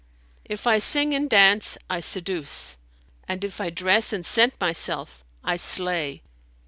If I sing and dance, I seduce, and if I dress and scent myself, I slay.